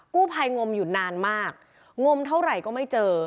กู้ภัยงมอยู่นานมากงมเท่าไหร่ก็ไม่เจอ